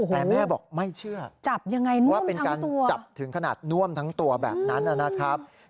แต่แม่บอกไม่เชื่อว่าเป็นการจับถึงขนาดน่วมทั้งตัวแบบนั้นนะครับโอ้โหจับยังไงน่วมทั้งตัว